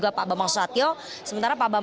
saya budi adiputro selamat malam